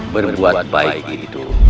berbuat baik itu